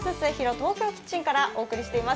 東京キッチンからお届けしています。